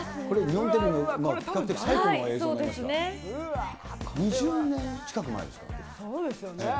これ、そうですね。